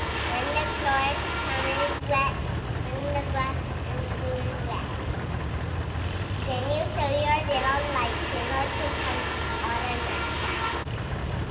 When the glorious sun is set, When the grass with dew is wet, Then you show your little light, Twinkle, twinkle all the night.